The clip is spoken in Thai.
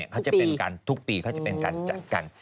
เขาจะเป็นการจัดการ